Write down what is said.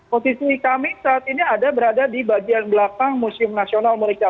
posisi kami saat ini ada berada di bagian belakang museum nasional mereka